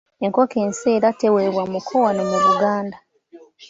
Enkoko enseera teweebwa muko wano mu Buganda.